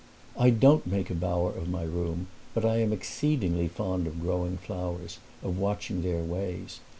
"I don't make a bower of my room, but I am exceedingly fond of growing flowers, of watching their ways.